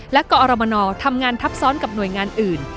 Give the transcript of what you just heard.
และกอรมนทำงานทับซ้อนกับหน่วยงานอื่น